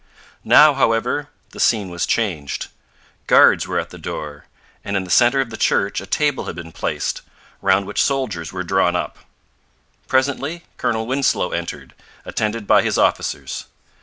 Now, however, the scene was changed. Guards were at the door; and in the centre of the church a table had been placed, round which soldiers were drawn up. Presently Colonel Winslow entered, attended by his officers.